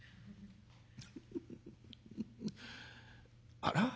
「あら？